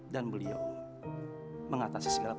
dulu pada saat